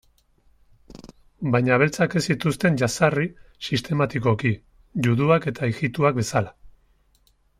Baina beltzak ez zituzten jazarri sistematikoki, juduak edo ijitoak bezala.